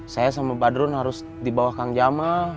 saya sama badrun harus di bawah kang jamal